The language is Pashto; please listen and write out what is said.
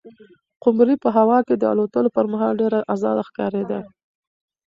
قمرۍ په هوا کې د الوتلو پر مهال ډېره ازاده ښکارېده.